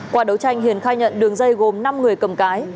qua đấu tranh hiền khai nhận đường dây gồm năm người cầm cái